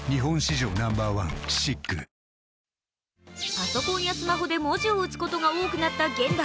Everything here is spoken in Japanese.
パソコンやスマホで文字を打つことが多くなった現代。